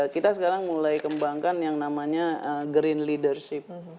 kita sekarang mulai kembangkan yang namanya green leadership